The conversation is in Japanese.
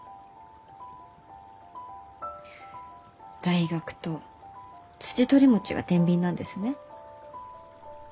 大学とツチトリモチがてんびんなんですね。